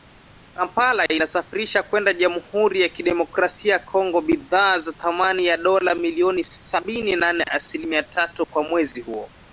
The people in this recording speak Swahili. Kampala inasafirisha kwenda Jamuhuri ya Kidemokrasia ya Kongo bidhaa za thamani ya dola milioni sabini na nne asilimia tatu kwa mwezi huo